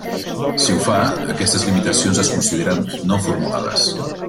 Si ho fa, aquestes limitacions es consideren no formulades.